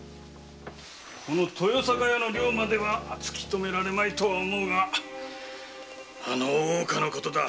この豊栄屋の寮までは突き止められまいとは思うがあの大岡のこと。